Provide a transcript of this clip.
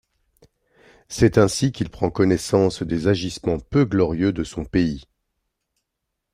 C'est ainsi qu'il prend connaissance des agissements peu glorieux de son pays.